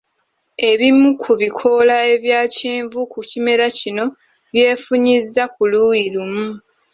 Ebimu ku bikoola ebya kyenvu ku kimera kino byefunyizza ku luuyi lumu.